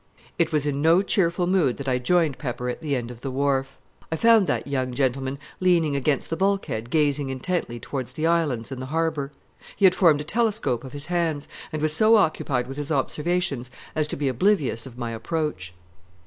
It was in no cheerful mood that I joined Pepper at the end of the wharf. I found that young gentleman leaning against the bulkhead gazing intently towards the islands in the harbor. He had formed a telescope of his hands, and was so occupied with his observations as to be oblivious of my approach.